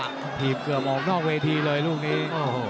ถีบเกือบออกนอกเวทีเลยลูกนี้